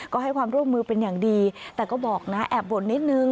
ก็ให้ความร่วมมือเป็นอย่างดีแต่ก็บอกนะแอบบ่นนิดนึง